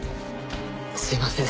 すいません。